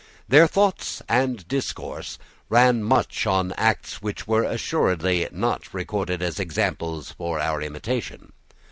Their thoughts and discourse ran much on acts which were assuredly not recorded as examples for our imitation.